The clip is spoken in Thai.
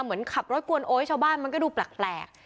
เหมือนขับรถกวนโอ๊ยชาวบ้านมันก็ดูแปลก